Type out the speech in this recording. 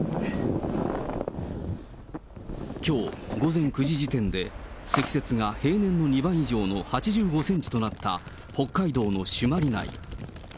きょう午前９時時点で、積雪が平年の２倍以上の８５センチとなった北海道朱鞠内。